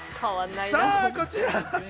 さぁこちら。